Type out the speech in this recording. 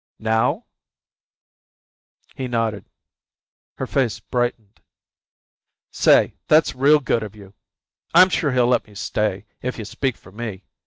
"Now?" He nodded. Her face brightened. "Say, that's real good of you. I'm sure he'll let me stay if you speak for me.